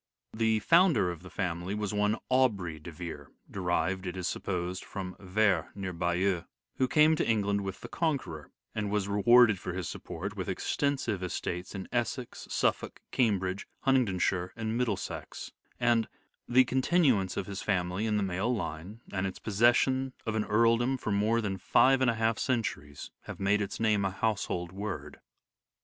FamUy The founder of the family was one Aubrey de Vere (derived, it is supposed, from Ver near Bayeux) who came to England with the Conqueror, and was re warded for his support, with extensive estates in Essex, Suffolk, Cambridge, Huntingdonshire and Middlesex ; and " the continuance of his family in the male line, and its possession of an earldom for more than five and a half centuries have made its name a household word."